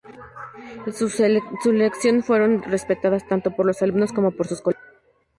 Sus lecciones fueron respetadas tanto por los alumnos como por sus colegas.